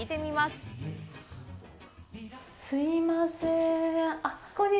すいませーん。